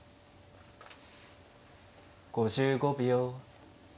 ５５秒。